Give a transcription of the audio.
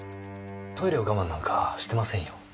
トイレを我慢なんかしてませんよ。